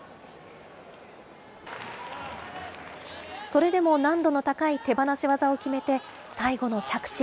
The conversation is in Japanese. それでも難度の高い手放し技を決めて、最後の着地。